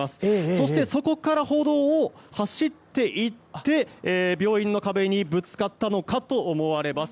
そしてそこから歩道を走っていって病院の壁にぶつかったのかと思われます。